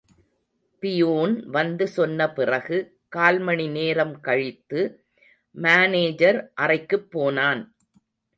Peon வந்து சொன்னபிறகு, கால்மணி நேரம் கழித்து, மானேஜர் அறைக்குப் போனான்.